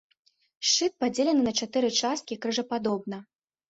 Шчыт падзелены на чатыры часткі крыжападобна.